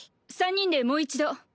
３人でもう一度。